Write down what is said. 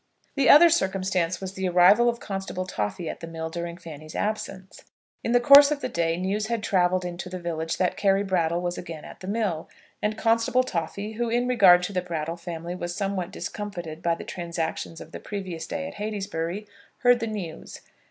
The other circumstance was the arrival of Constable Toffy at the mill during Fanny's absence. In the course of the day news had travelled into the village that Carry Brattle was again at the mill; and Constable Toffy, who in regard to the Brattle family, was somewhat discomfited by the transactions of the previous day at Heytesbury, heard the news.